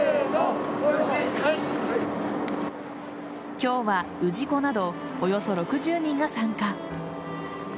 今日は、氏子などおよそ６０人が参加。